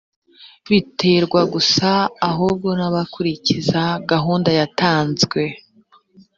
biterwa gusa ahubwo n’abakurikiza gahunda yatanzwe